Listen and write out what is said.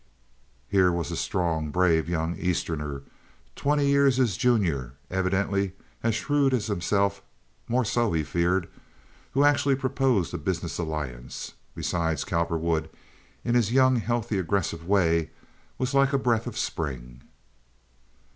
Here was a strong, brave young Easterner, twenty years his junior, evidently as shrewd as himself—more so, he feared—who actually proposed a business alliance. Besides, Cowperwood, in his young, healthy, aggressive way, was like a breath of spring.